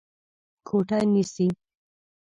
کوټه نيسې؟